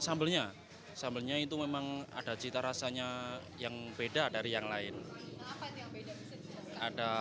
sambelnya sambelnya itu memang ada cita rasanya yang beda dari yang lain ada